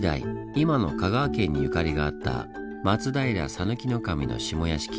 今の香川県にゆかりがあった松平讃岐守の下屋敷。